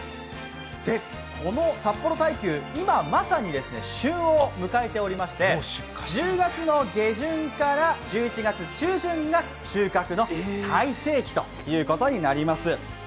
この札幌大球、今まさに旬を迎えていまして１０月下旬から１１月中旬が収穫の最盛期ということになります。